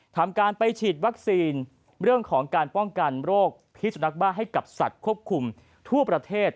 ทำการไปฉีดวัคซีนเรื่องของการป้องกันโรคพิสุนักบ้าให้กับสัตว์ควบคุมทั่วประเทศ